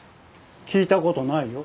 聞いた事ないよ。